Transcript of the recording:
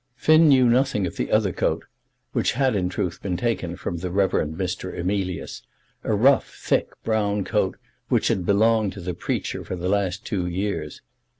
Finn knew nothing of the other coat, which had, in truth, been taken from the Rev. Mr. Emilius, a rough, thick, brown coat, which had belonged to the preacher for the last two years.